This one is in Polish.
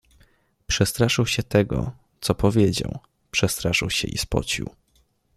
Przestraszył się tego, co powiedział; przestraszył się i spocił.